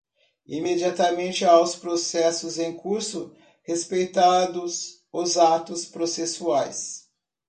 imediatamente aos processos em curso, respeitados os atos processuais